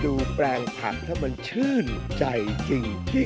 เดู๊งแปลงผัดถ้ามันชื่นใจจริงจริง